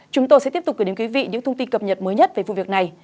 chúng tôi sẽ tiếp tục gửi đến quý vị những thông tin cập nhật mới nhất về vụ việc này